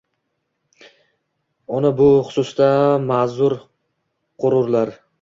uni bu hususda ma'zur qo'rurlar.